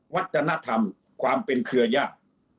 วัฒนธรรมความเป็นเครือญาติ